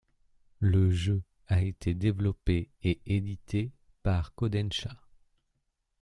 Le jeu a été développé et édité par Kōdansha.